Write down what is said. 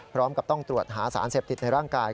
พร้อมกับต้องตรวจหาสารเสพติดในร่างกาย